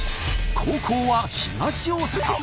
後攻は東大阪。